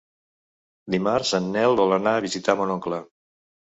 Dimarts en Nel vol anar a visitar mon oncle.